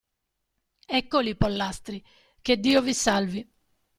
Eccoli i pollastri, che Dio vi salvi.